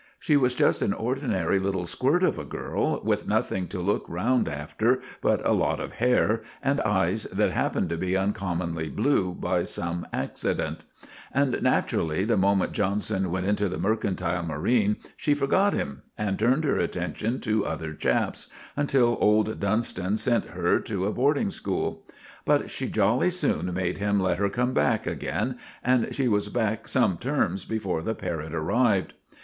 She was just an ordinary little squirt of a girl, with nothing to look round after but a lot of hair, and eyes that happened to be uncommonly blue by some accident; and, naturally, the moment Johnson went into the mercantile marine, she forgot him and turned her attention to other chaps, until old Dunstan sent her to a boarding school. But she jolly soon made him let her come back again, and she was back some terms before the parrot arrived.